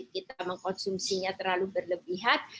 kita mengkonsumsinya terlalu berlebihan